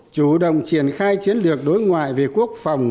chủ động triển khai chiến lược đối ngoại về quốc phòng